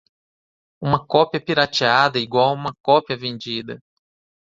Uma cópia "pirateada" igual a uma cópia vendida.